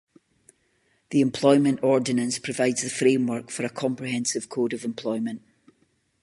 The Employment Ordinance provides the framework for a comprehensive code of employment.